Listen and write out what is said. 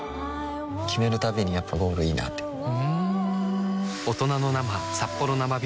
決めるたびにやっぱゴールいいなってふん男性）